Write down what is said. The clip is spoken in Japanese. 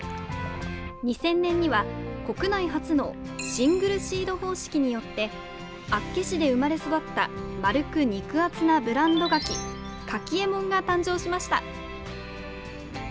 ２０００年には、国内初のシングルシード方式によって厚岸で生まれ育った丸く肉厚なブランドガキカキえもんが誕生しました。